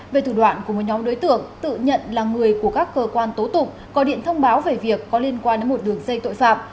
về thủ đoạn của một nhóm đối tượng tự nhận là người của các cơ quan tố tụng có điện thông báo về việc có liên quan đến một đường dây tội phạm